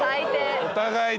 お互いね。